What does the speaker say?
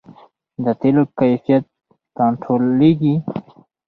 د تیلو کیفیت کنټرولیږي؟